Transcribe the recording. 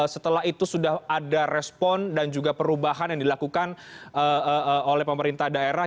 setelah itu sudah ada respon dan juga perubahan yang dilakukan oleh pemerintah daerah